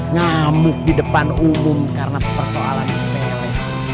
ngamuk di depan umum karena persoalan sepenyala